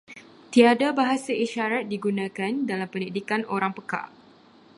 Tiada bahasa isyarat digunakan dalam pendidikan orang pekak.